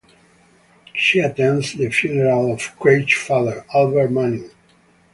She attends the funeral of Craig's father, Albert Manning.